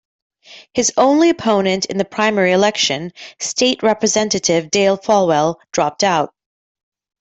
His only opponent in the primary election, State Representative Dale Folwell, dropped out.